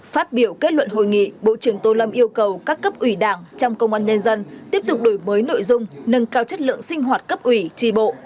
phát biểu kết luận hội nghị bộ trưởng tô lâm yêu cầu các cấp ủy đảng trong công an nhân dân tiếp tục đổi mới nội dung nâng cao chất lượng sinh hoạt cấp ủy tri bộ